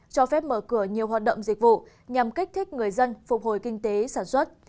cho phép mở cửa nhiều hoạt động dịch vụ nhằm kích thích người dân phục hồi kinh tế sản xuất